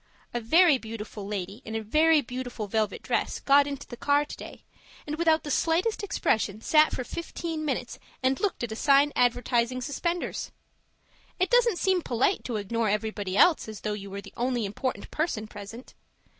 A very beautiful lady in a very beautiful velvet dress got into the car today, and without the slightest expression sat for fifteen minutes and looked at a sign advertising suspenders. It doesn't seem polite to ignore everybody else as though you were the only important person present.